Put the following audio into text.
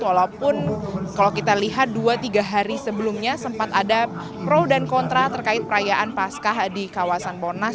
walaupun kalau kita lihat dua tiga hari sebelumnya sempat ada pro dan kontra terkait perayaan pascah di kawasan monas